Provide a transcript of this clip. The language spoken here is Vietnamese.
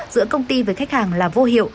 giữa công ty với khách hàng là vô hiệu